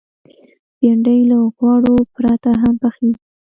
بېنډۍ له غوړو پرته هم پخېږي